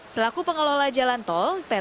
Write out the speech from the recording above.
selaku pengelola jalan tol